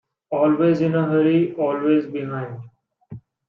Always in a hurry, always behind.